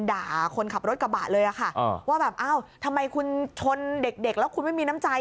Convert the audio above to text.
ว่าแบบทำไมคุณชนเด็กและไม่มีน้ำใจ